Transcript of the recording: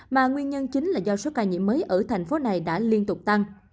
mà nguyên nhân chính là do số ca nhiễm mới ở thành phố này đã liên tục tăng